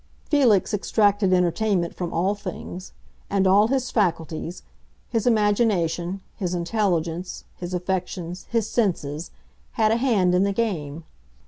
Felix extracted entertainment from all things, and all his faculties—his imagination, his intelligence, his affections, his senses—had a hand in the game.